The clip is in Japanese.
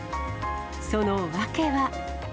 その訳は。